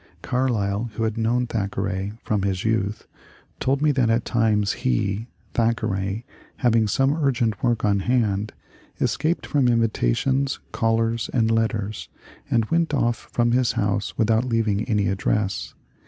Carlyle, who had known Thackeray from his youth, told me that at times he (Thackeray), having some urgent work on hand, escaped from invitations, callers, and letters, and went off from his house without leaving any address.